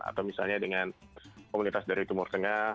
atau misalnya dengan komunitas dari timur tengah